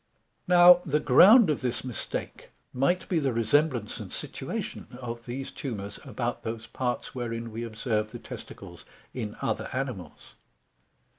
11 Now the ground of this mistake might be the resemblance and situation of these tumours about those parts, wherein we observe the testicles in other animals.